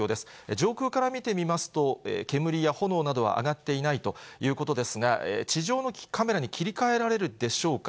上空から見てみますと、煙や炎などは上がっていないということですが、地上のカメラに切り替えられるでしょうか。